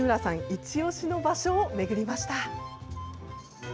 イチオシの場所を巡りました。